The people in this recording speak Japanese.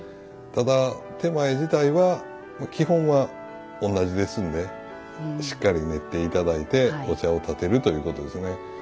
ただ点前自体は基本は同じですんでしっかり練って頂いてお茶を点てるということですね。